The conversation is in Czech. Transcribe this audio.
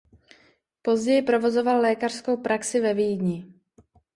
Později provozoval lékařskou praxi ve Vídni.